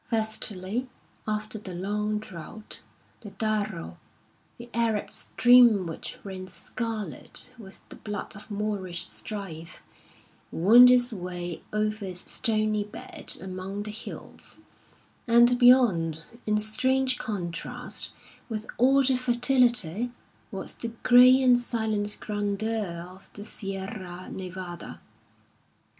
Thirstily, after the long drought, the Darro, the Arab stream which ran scarlet with the blood of Moorish strife, wound its way over its stony bed among the hills ; and beyond, in strange contrast with all the fertility, was the grey and silent grandeur of the Sierra Nevada.